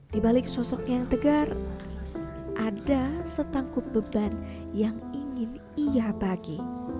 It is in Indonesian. di balik sosok yang tegar ada setangkup beban yang ingin ia bagi